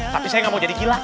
tapi saya nggak mau jadi gila